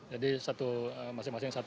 jadi satu masing masing satu